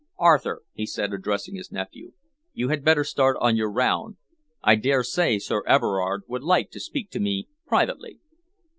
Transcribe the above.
"Arthur," he said, addressing his nephew, "you had better start on your round. I dare say Sir Everard would like to speak to me privately."